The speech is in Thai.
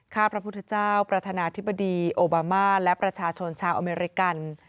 ข้าพระพุทธเจ้าประธานาธิบดีโอบามาและประชาชนชาวอเมริกัน